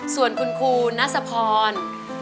ส่วนคุณครูนัสพร